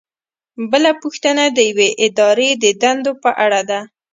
بله پوښتنه د یوې ادارې د دندو په اړه ده.